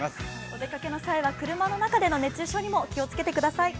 お出かけの際には車の中での熱中症にも気をつけてください。